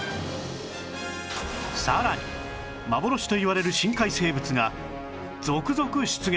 さらに幻といわれる深海生物が続々出現！